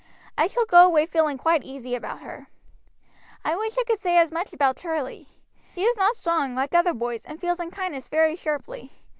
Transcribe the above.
I shall go away feeling quite easy about her. I wish I could say as much about Charlie. He is not strong, like other boys, and feels unkindness very sharply.